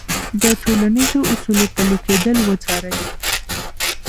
د ټولنیزو اصولو پلي کېدل وڅارئ.